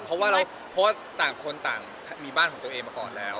เพราะว่าต่างคนต่างมีบ้านของตัวเองมาก่อนแล้ว